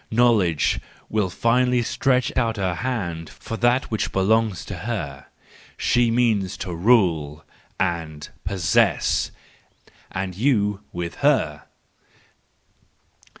Knowledge will finally stretch out her hand for that which belongs to her :—she means to rule and possess , and you with her!